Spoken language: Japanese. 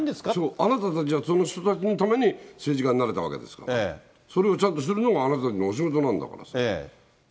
あなたたちはその人たちのために政治家になれたわけですから、それをちゃんとするのがあなたたちのお仕事なんだからさ。